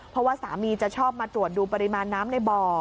เพราะว่าสามีจะชอบมาตรวจดูปริมาณน้ำในบ่อ